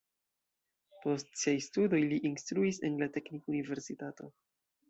Post siaj studoj li instruis en la teknikuniversitato.